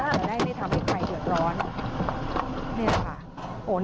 จะได้ไม่ทำให้ไฟเดือดร้อนนี่แหละค่ะ